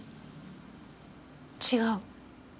違う。